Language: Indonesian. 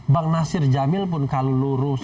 bang nasir jamil pun kalau lurus